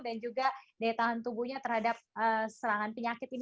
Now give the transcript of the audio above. dan juga daya tahan tubuhnya terhadap serangan penyakit imun